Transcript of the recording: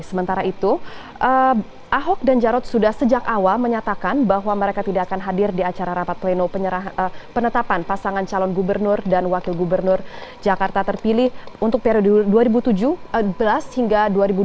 sementara itu ahok dan jarod sudah sejak awal menyatakan bahwa mereka tidak akan hadir di acara rapat pleno penetapan pasangan calon gubernur dan wakil gubernur jakarta terpilih untuk periode dua ribu tujuh belas hingga dua ribu dua puluh empat